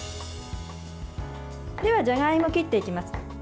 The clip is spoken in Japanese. では、じゃがいもを切っていきます。